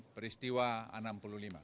peristiwa enam puluh lima